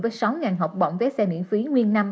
với sáu học bổng vé xe miễn phí nguyên năm